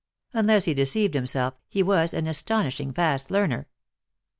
Unless he deceived himself, he was an aston ishing fast learner.